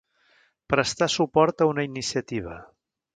Prestar suport a una iniciativa.